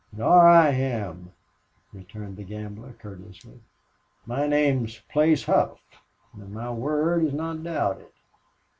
"Nor I him," returned the gambler, courteously. "My name is Place Hough and my word is not doubted."